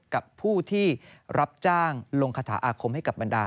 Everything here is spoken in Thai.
กับผู้ที่รับจ้างลงคาถาอาคมให้กับบรรดา